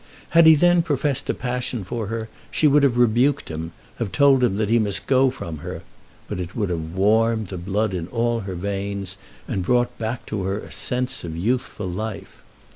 Had he then professed a passion for her she would have rebuked him, and told him that he must go from her, but it would have warmed the blood in all her veins, and brought back to her a sense of youthful life.